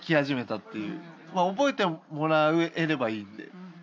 まあ覚えてもらえればいいので。